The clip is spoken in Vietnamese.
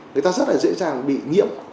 người ta rất là dễ dàng bị nhiễm